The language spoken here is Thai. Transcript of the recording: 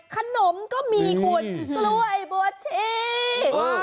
ขนมก็มีคุณกล้วยบัวชี